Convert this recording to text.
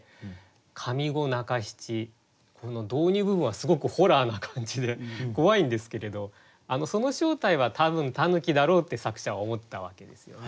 上五中七この導入部分はすごくホラーな感じで怖いんですけれどその正体は多分狸だろうって作者は思ったわけですよね。